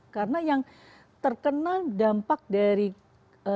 karena yang terkena dampak dari kenaikan tdl itu